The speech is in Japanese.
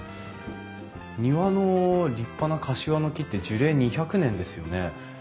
庭の立派なカシワの木って樹齢２００年ですよね？